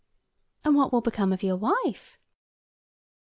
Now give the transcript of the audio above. "And what will become of your wife?"